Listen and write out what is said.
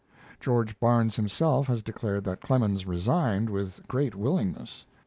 George Barnes himself has declared that Clemens resigned with great willingness.